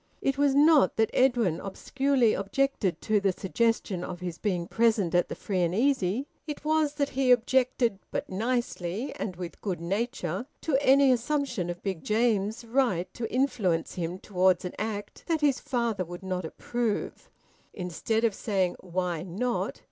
It was not that Edwin obscurely objected to the suggestion of his being present at the free and easy; it was that he objected (but nicely, and with good nature) to any assumption of Big James's right to influence him towards an act that his father would not approve. Instead of saying, "Why not?"